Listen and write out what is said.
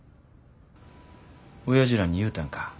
おやじらに言うたんか